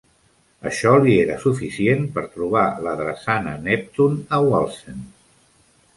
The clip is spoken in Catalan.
Això li era suficient per trobar la drassana Neptune a Wallsend.